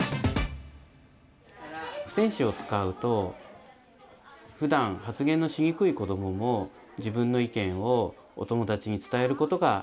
付箋紙を使うとふだん発言のしにくい子供も自分の意見をお友達に伝えることができます。